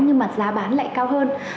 nhưng mà giá bán lại cao hơn